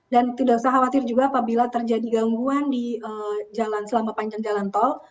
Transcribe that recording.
tidak usah khawatir juga apabila terjadi gangguan di jalan selama panjang jalan tol